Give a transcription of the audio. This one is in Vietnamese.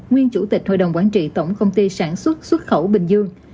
nguyên chủ tịch hội đồng quản trị tổng công ty sản xuất xuất khẩu bình dương